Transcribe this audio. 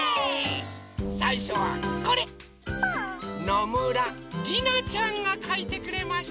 のむらりなちゃんがかいてくれました。